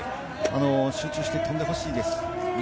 集中して飛んでほしいです。